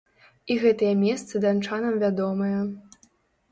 І гэтыя месцы данчанам вядомыя.